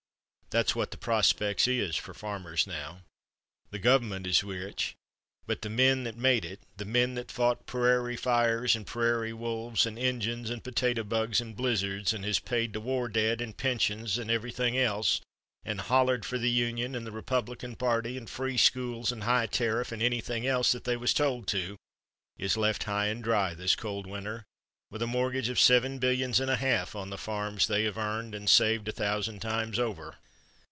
That's what the prospects is for farmers now. The Government is rich, but the men that made it, the men that fought perarie fires and perarie wolves and Injuns and potato bugs and blizzards, and has paid the war debt and pensions and everything else and hollered for the Union and the Republican party and free schools and high terriff and anything else that they was told to, is left high and dry this cold winter with a mortgage of seven billions and a half on the farms they have earned and saved a thousand times over."